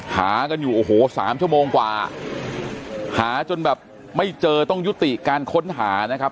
หากันอยู่โอ้โหสามชั่วโมงกว่าหาจนแบบไม่เจอต้องยุติการค้นหานะครับ